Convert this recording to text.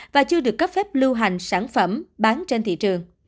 và chưa được cấp phép lưu hành sản phẩm bán trên thị trường